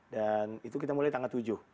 dan itu kita mulai tanggal tujuh